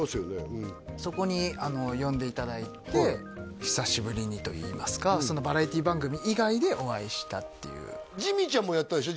うんそこに呼んでいただいて久しぶりにといいますかバラエティ番組以外でお会いしたっていうジミーちゃんもやったでしょ？